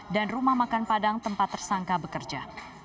rumah makan padang tempat tersangka bekerja